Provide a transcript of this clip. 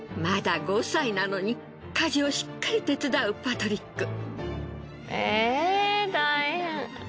まだ５歳なのに家事をしっかり手伝うパトリック。